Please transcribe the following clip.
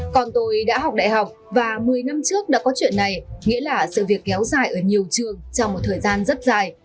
còn tôi đã học đại học và một mươi năm trước đã có chuyện này nghĩa là sự việc kéo dài ở nhiều trường trong một thời gian rất dài